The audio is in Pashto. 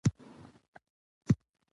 تاریخ د خپل ولس د همدردۍ او مرستې يادښت دی.